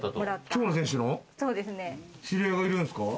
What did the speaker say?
長野選手の知り合いがいるんですか？